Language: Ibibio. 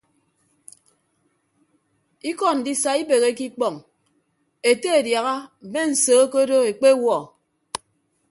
Ikọ ndisa ibeheke ikpọñ ete adiaha mme nsoo ke odo ekpewuọ.